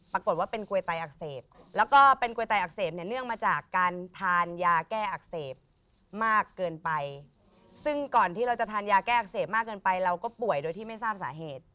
ปรากฏว่าเป็นกลวยไตอักเสบแล้วก็เป็นกลวยไตอักเสบเนี่ยเนื่องมาจากการทานยาแก้อักเสบมากเกินไปซึ่งก่อนที่เราจะทานยาแก้อักเสบมากเกินไปเราก็ป่วยโดยที่ไม่ทราบสาเหตุ